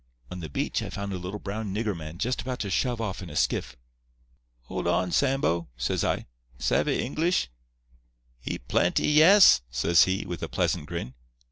On the beach I found a little brown nigger man just about to shove off in a skiff. "'Hold on, Sambo,' says I, 'savve English?' "'Heap plenty, yes,' says he, with a pleasant grin.